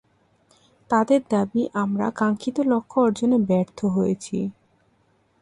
তাদের দাবি, আমরা কাঙ্খিত লক্ষ্য অর্জনে ব্যর্থ হয়েছি।